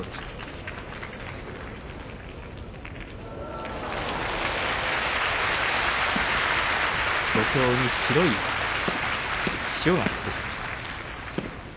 拍手土俵に白い塩が降ってきました。